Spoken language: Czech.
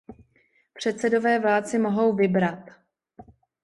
Předsedové vlád si mohou vybrat.